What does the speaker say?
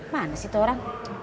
mana sih itu orang